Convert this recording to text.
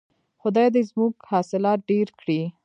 خدای دې زموږ حاصلات ډیر کړي.